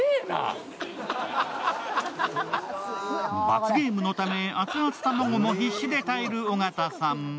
罰ゲームのため、熱々玉子も必死で耐える尾形さん。